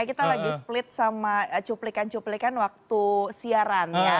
kita lagi split sama cuplikan cuplikan waktu siaran ya